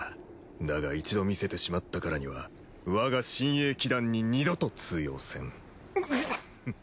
だが一度見せてしまったからには我が親衛騎団に二度と通用せん。